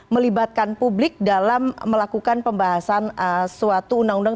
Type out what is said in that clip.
melibatkan publik dalam melakukan pembahasan suatu undang undang